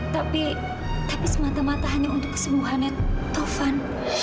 tapi tapi semata mata hanya untuk kesembuhannya taufan